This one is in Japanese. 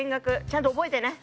ちゃんと覚えてね。